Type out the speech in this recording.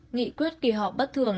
nghị quyết kỳ họp bất thường